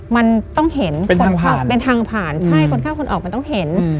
มันต้องเห็นเป็นทางผ่านใช่คนข้างคนออกมันต้องเห็น